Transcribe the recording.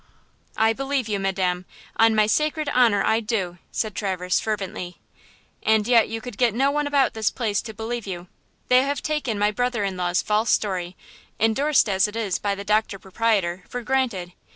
"I believe you, Madam, on my sacred honor I do!" said Traverse, fervently. "And yet you could get no one about this place to believe you! They have taken my brother in law's false story, indorsed as it is by the doctor proprietor, for granted.